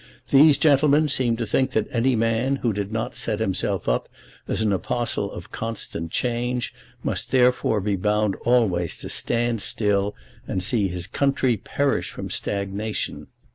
These gentlemen seemed to think that any man who did not set himself up as an apostle of constant change must therefore be bound always to stand still and see his country perish from stagnation.